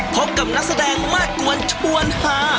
พบกับนักแสดงมากกวนชวนฮา